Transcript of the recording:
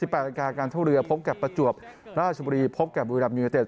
๘นาฬิกาการท่าเรือพบกับประจวบราชบุรีพบกับบุรีรัมยูเนเต็